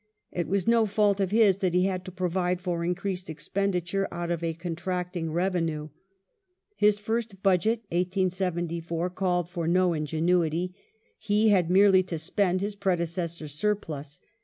It was no fault of his that he had to provide for increased expenditure out of a contracting revenue. His fii'st Budget (1874) called for no ingenuity. He had merely to spend his predecessor's surplus.